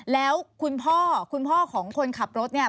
แล้วคุณพ่อคุณพ่อของคนขับรถเนี่ย